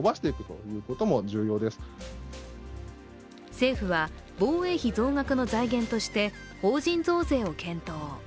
政府は防衛費増額の財源として法人増税を検討。